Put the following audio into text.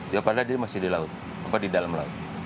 ya padahal dia masih di dalam laut